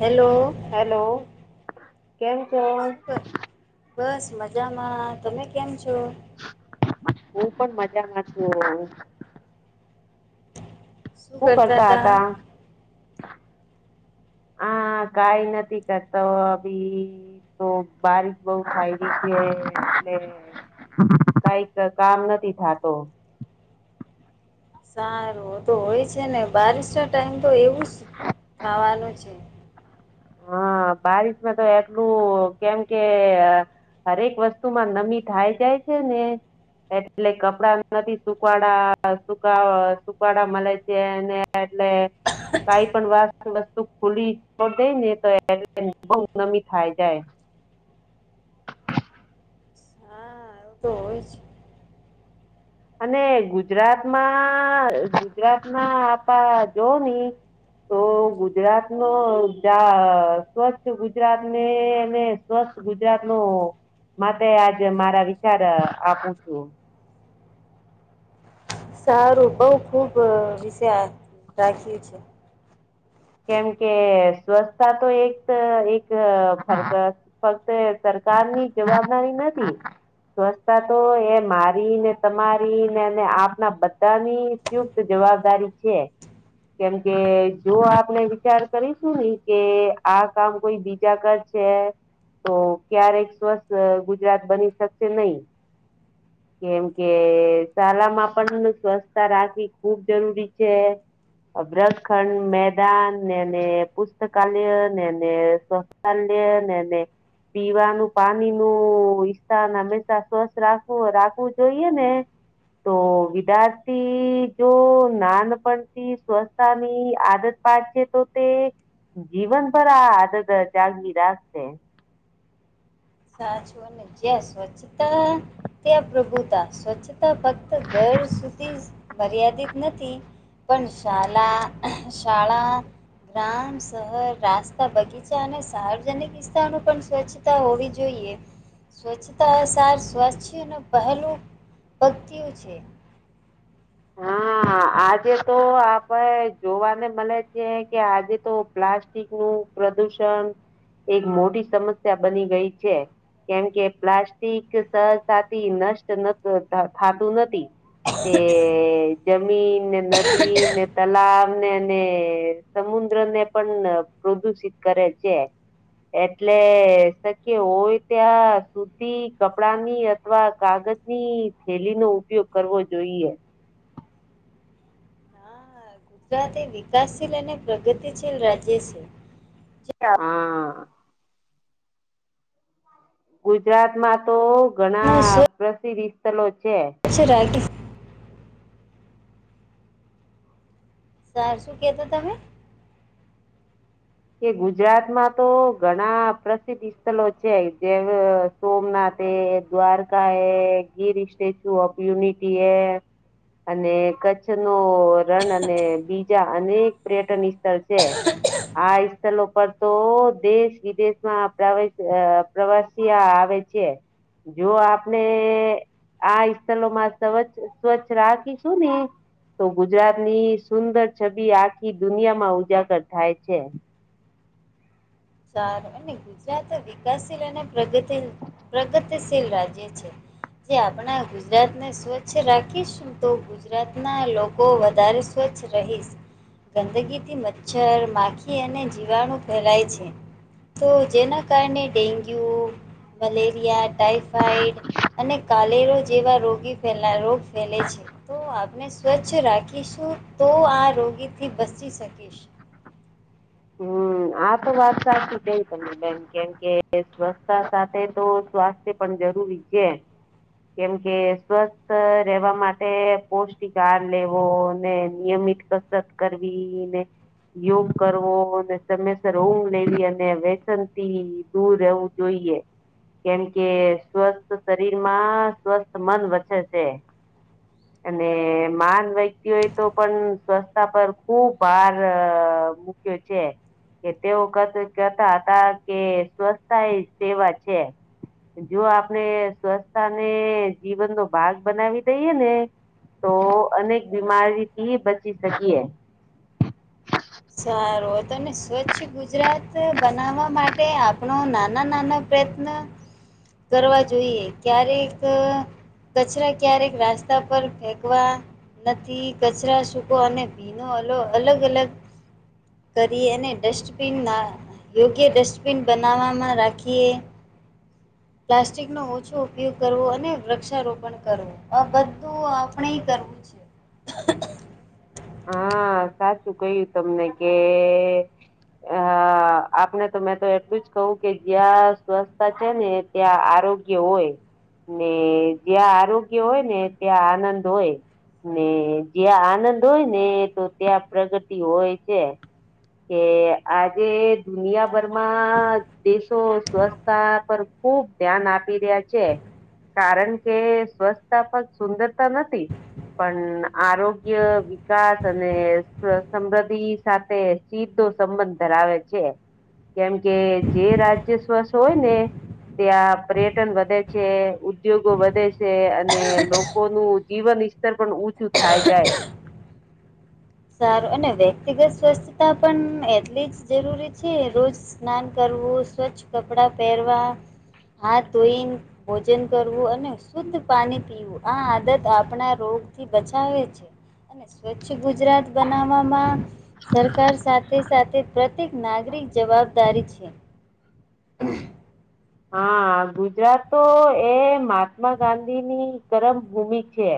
Hello. Hello, કેમ છે? હા શું કર બસ મજામાં તમે કેમ છો? હું પણ મજામાં છું. શું કરતા હતા? હા કઈ નથી કરતો અભી. તો બારીક બઉુ ખાઈ ગઈ છે એટલે કઈક કામ નથી થતો. સારું તો હોય છે ને બારિશ ના ટાઈમ તો એવું જ ખાવાનું છે. હા બારિશમાં તો એટલું કેમ કે હરેક વસ્તુમાં નમી થાય જાય છે ને. એટલે કપડા નથી સુકવાડા સુકા સુકવાડા મળે છે. એટલે, કઈ પણ વાત વસ્તુ ખુલી દઈ ને તો એટલે બહ નમી થાય જાય. હા એવું તો હોય જ અને ગુજરાતમાં ગુજરાતમાં આપ જોવ ની. તો ગુજરાતનો જા સ્વચ્છ ગુજરાતને એને સ્વસ્થ ગુજરાતનું માટે આજ મારા વિચાર આપું છું. સારું બઉ ખૂબ વિશે રાખ્યું છે. કેમ કે સ્વચ્છતા તો એક એક ફક્ત સરકારની જવાબદારી નથી. સ્વચ્છતા તો એ મારી ને તમારી ને આપના બધાની. યુત જવાબદારી છે, કેમ કે જો આપ આપને વિચાર કરીશું ને કે આ કામ કોઈ બીજા કર છે. તો ક્યારેક સ્વસ્થ ગુજરાત બની શકશે નહી. કેમ કે શાળામાં પણ સ્વચ્છતા રાખવી ખુબ જરૂરી છે. અબ્રસખંડ મે [unintelligible] ને પુસ્તકાલય નેને શૌચાલય નેને. પીવાનું પાણીનું ઈથાન હંમેશા સ્વચ્છ રાખવું રાખવું જોઈએને. તો વિદ્યાર્થી જો નાનપણથી સ્વસ્છતાની આદત છે તો તે જીવન પર આ આદત જાગવી રાખશે. સાચું ને, ક સ્વચ્છતા ત્યાં પ્રભુતા સ્વચ્છતા ફક્ત ઘર સુધી મર્યાદિત નથી. પણ શાલા શાળા. ગામ શર રાસ્તા બગીચા અને સાર્વજનિક વિસ્તાર ન પણ સ્વચ્છતા હોવી જોઈએ. જોઈએ, સ્વચ્છતા અ સાર સ્વસ્થ્યનું પહેલું પગતું છે. હા. હા આજે તો આપડ જોવાને મળે છે કે આજે તો પ્લાસ્ટિકનું પ્રદૂષણ, એક મોટી સમસ્યા બની ગઈ છે. કેમકે પ્લાસ્ટિક સહતાથી નષ્ટ થતું નથી. તે જમીનને નદીને તલાને. અને સમુદ્રને પણ પ્રદુષિત કરે છે. એટલે શક્ય હોય ત્યાં સુધી કપડાની અથવા કાગજ ની થેલીનો ઉપયોગ કરવો જોઈએ. [unintelligible] ગુજરાત એ વિકાસશીલ અને પ્રગતિશીલ રાજ્ય છે. હા ગુજરાતમાં તો ઘણા સ્વચ્છ પ્રસિદ્ધ સ્થળ છે. [unintelligible] સરાર શું કહેતો તમે? કે ગુજરાતમાં તો ઘણા પ્રસિદ્ધ સ્થલો છે જે સોમનાથ એ, દ્વારકા એ, ગીર, સ્ટેચ્યુ ઓફ યુનિટી હૈ. અને કચ્છનો રણ અને બીજા અનેક પર્યટન સ્થળ છે. આ સ્થળ પર તો દેશ વિદેશમાં પ્રવેશ પ્રવાસ આવે છે, જો આપણે આ સ્થળમાં સ્વચ્છ સ્વચ્છ રાખીશું ને. તો ગુજરાત ની સુંદર છબી આખી દુનિયા માં ઉજાગર થાય છે. સાર અને ગુજરાત વિકાસશીલ અને પ્રગતિ પ્રગતિશીલ રાજ્ય છે. જે આપણા ગુજરાતને સ્વચ્છ રાખીશું. તો ગુજરાતના લોકો વધારે સ્વચ્છ રહીશ. ગંદગીથી મચ્છર માખી અને જીવાણું ફેલાય છે. તો જેના કારણે ડેન્ગ્યુ, મલેરિયા ટાઈફોઈડ. અને કાલેરો જેવા રોગી રોગ ફેલે છે, તો આપને સ્વચછ કછ રાખીશું તો આ રોગીથી બચી શકીશ. હમ. આ તો વાત સાચી કઈ તને બેન કેમકે સ્વચસ્છતા સાથે તો સ્વાસ્થ્ય પણ જરૂરી છે. કેમ કે સ્વસ્થ રહેેવા માટે પૌષ્ટિક હાર લેવો અને નિયમિત સતત કરવી ને, યોગ કરવો. સમયસર ઊંમ લેવી અને વેસન થી દૂર રહેવું જોઈએ. કેમ કે સ્વસ્થ શરીર માં સ્વસ્થ મન વચે છે. [inaudible] અને મહાન વ્યક્તિઓએ તો પણ સ્વચસ્છતા પર ખુબ ભાર મૂક્યો છે. કે તેઓ કતા હતા કે સ્વચતા એ સેવા છે. જો આપણે સ્વચ્છતાને જીવનનો ભાગ બનાવી દઈય ને. તો અનેક બીમારી થી બચી શકીએ. સારું તને સ્વચ્છ ગુજરાત બનાવવા માટે આપણો નાના નાના પ્રયત્ન, કરવા જોઈએ ક્યારેક કચરા ક્યારેક રાસ્તા પર ફેકવા નથી કચરા સૂકો અને ભીનો અલો અલગ અલગ કરી અને ડસ્ટબિનના યોગ્ય ડસ્ટબિન બનાવવામાં રાખીએ. પ્લાસ્ટિકનો ઓછો ઉપયોગ કરવો અને વૃક્ષારોપણ કરવો. આ બધું આપણે કરવું છે. હા સાચું કયું તમને કે હ આપણે તો મેં તો એટલું જ કહું કે જ્યાં સ્વસ્છતા છે ને. ત્યાં આરોગ્ય હોય. ને જ્યાં આરોગ્ય હોય, ને ત્યાં આનંદ હોય ને જ્યાં આનંદ હોય ને એ તો ત્યાં પ્રગતિ હોય છે. કે આજે દુનિયાભરમાં દેશો સ્વચ્છતા પર ખુબ ધ્યાન આપી રહ્યા છે. કારણ કે સ્વસ્છતા પણ સુંદરતા નથી, પણ આરોગ્ય વિકાસ અને સમૃદ્ધિ સાથે સીધો સંબંધ ધરાવે છે. કેમ કે જે રાજ્ય સ્વસ હોય ને. ત્યાં પર્યટન વધે છે ઉદ્યોગો વધે છે અને લોકો નું જીવન ત પણ ચું થાય જાય. સારું અને વ્યક્તિગત સ્વસ્થતા પણ એટલી જ જરૂરી છે રોજ સ્નાન કરવું સ્વચ્છ કપડાં પહેરવા. હાથ ધોઈને ભોજન કરવું અને શુદ્ધ પાણી પીવું. આ આદત આપણા રોગથી બચાવે છે, અને સ્વચ્છ ગુજરાત બનાવવામાં, સરકાર સાથે સાથે પ્રત્યેક નાગરિક જવાબ જવાબદારી છે. હા ગુજરાત તો એ મહાત્મા ગાંધી ની કરમ ભૂમિ છે.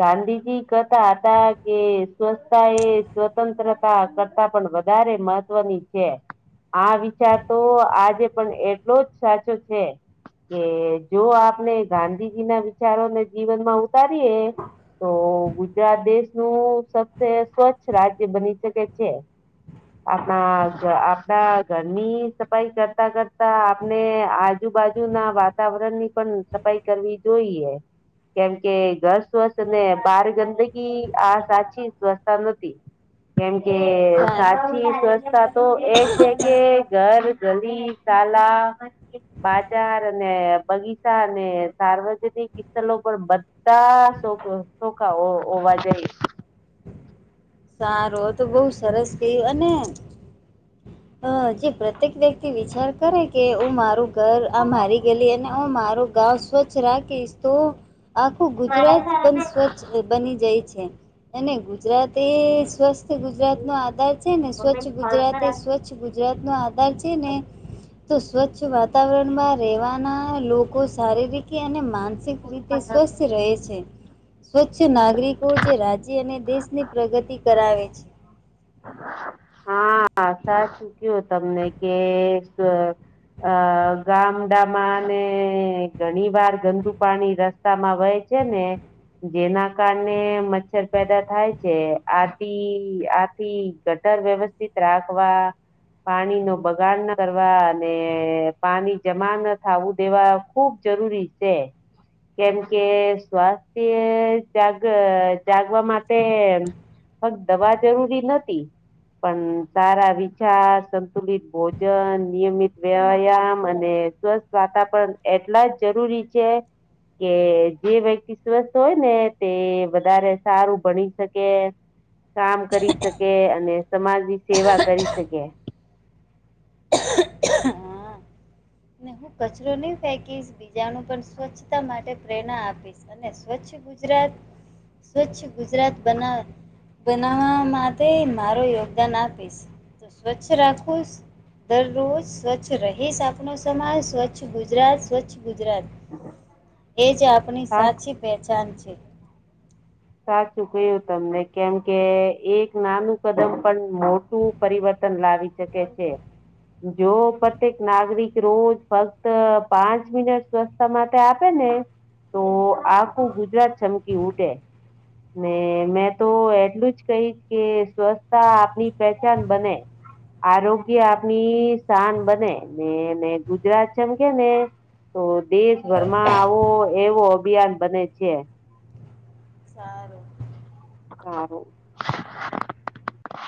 ગાંધીજી કતા હતા કે સ્વચ્તા એ સ્વતંત્ર કરતા પણ વધારે મહત્વની છે. આ વિચાર તો આજે પણ એટલો જ સાચો છે. કે જો આપણે ગાંધીજી ના વિચારોને જીવનમાં ઉતારીએ. તો ગુજરાત દેશનું સસે સ્વચ્છ રાજ્ય બની શકે છે. આપણા આપડા ઘરની સફાઈ કરતા કરતા અને આજુબાજુ ના વાતાવરણની પણ સફાઈ કરવી જોઈએ. કેમ કે ઘર સ્વસ્થ ને બાર ગંદગી આ સાચી સ્વસ્છતા નથી. [inaudible] કેમકે સારું સાચી સ્વસ્થતા તો એ છે કે ઘર, ગલી. શાલા, બાજાર અને બગીચ અને સાર્વજનિક લો પર બધા શોખા હોવા જોઈએ. સારું તો બહુ સરસ કયું, અને અ જે પ્રત્યેક વ્યક્તિ વિચાર કરે કે ઓ મારુ મારુ ઘર આ મારી ગેલી અને હું મારું ગાઉ સ્વચ્છ રાખીશ તો આખું ગુજરાત પણ સ્વચ્છ બની જાય છે. અને ગુજરાત તે સ્વસ્થ ગુજરાત નો આધાર છે ને. સ્વચ્છ ગુજરાતે સ્વચ્છ ગુજરાત નો છે ને તો સ્વચ્છ વાતાવરણમાં રહેવા ના લોકો શારીરિક અને માનસિક રીતે સ્વસ્થ રહે છે. સ્વચ્છ નાગરિકો જે રાજ્ય અને દેશની પ્રગતિ કરાવે છે. હા સાચું ક્યું તમને કે સ અ ગામડામાં અને ઘણી વાર ગંદુ પાણી રસ્તા રસ્તામાં વહે છે ને. જેના કારણે મચ્છર પેદા થાય છે. આથી આથી તર વ્યવસ્થિત રાખવા પાણી નો બગાડ ના કરવા અને પાણી જમા ના થાવું દેવા ખૂબ જરૂરી છે. કેમ કે સ્વાસ્થ્ય જાગ જાગવા માટે ફકત દવા જરૂરી નથી. પણ સારા વિચાર, સંતુલિત ભોજન, નિયમિત વ્યાયામ અને સ્વસ્થ વાતા પણ એટલા જ જરૂરી છે. કે જે વ્યક્તિ સ્વસ્થ હોય ને તે વધારે સારું ભણી શકે. કામ કરી શકે અને સમાજની સેવા કરી શકે. હા. ને હું કચરો ની ફેકીશ બીજાને પણ સ્વચ્છતા માટે પ્રેરણા આપીશ. અને સ્વચ્છ ગુજરાત સ્વચ્છ ગુજરાત બનાવ બનાવવા માટે મારો યોગદાન આપીશ. તો સ્વચ્છ રાખું. દરરોજ સ્વચ્છ રહીશ આપનો સમાજ સ્વચ્છ ગુજરાત સ્વચ્છ ગુજરાત એ જ આપણી સા સાચી પહેચાન છે. સાચું કયું તમને કેમ કે એક નાનું કદમ પણ મોટું પરિવર્તન લાવી શકે છે. જો પ્રત્યેક નાગરિક રોજ ફક્ત પાંચ મિનટ સ્વસ્છ માટે આપે ને તો આખું ગુજરાત ચમકી ઉઠે. ને મેં તો એટલું જ કહીશ કે સ્વચ્છતા આપની પહેચાન બને. આરોગ્ય આપની શાન બને. ને ને ગુજરાત જેમ કે ને તો દેશભરમાં આવો એવો અભિયાન બને છે. સારું. હારુ.